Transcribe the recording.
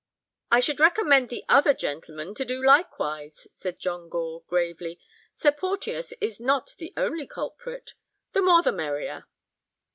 "I should recommend the other gentlemen to do likewise," said John Gore, gravely; "Sir Porteus is not the only culprit. The more the merrier."